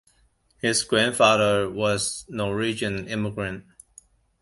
His grandfather was a Norwegian immigrant.